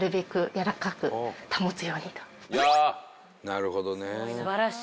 なるほどね。